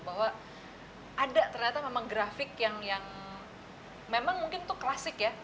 bahwa ada ternyata memang grafik yang memang mungkin itu klasik ya